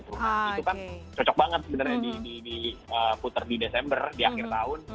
itu kan cocok banget sebenarnya diputar di desember di akhir tahun